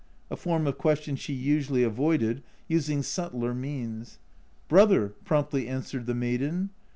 (a form of question she usually avoided, using subtler means). " Brother," promptly answered the maiden.